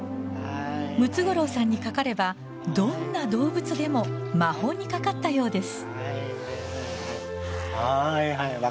ムツゴロウさんにかかればどんな動物でも魔法にかかったようです。